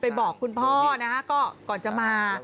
ไปบอกคุณพ่อก่อนจะมา